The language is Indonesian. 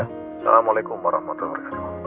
assalamualaikum warahmatullahi wabarakatuh